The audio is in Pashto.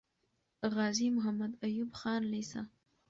غازي محمد ايوب خان لیسه